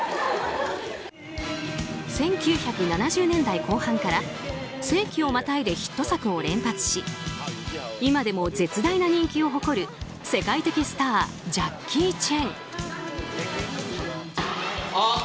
１９７０年代後半から世紀をまたいでヒット作を連発し今でも絶大な人気を誇る世界的スタージャッキー・チェン。